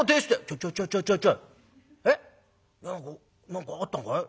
「何か何かあったのかい？